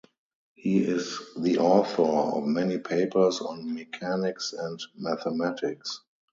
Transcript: He is the author of many papers on Mechanics and Mathematics.